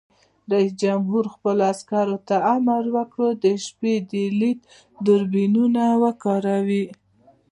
رئیس جمهور خپلو عسکرو ته امر وکړ؛ د شپې لید دوربینونه وکاروئ!